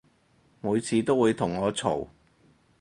每次都會同我嘈